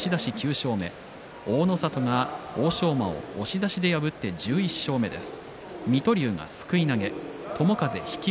大の里が欧勝馬を押し出しで破って１１勝目です。